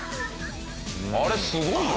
あれすごいよな。